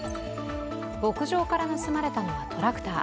牧場から盗まれたのはトラクター。